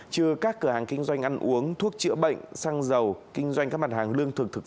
trừ các cửa hàng kinh doanh ăn uống thuốc chữa bệnh